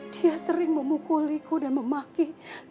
dia sering memukuliku dan memaki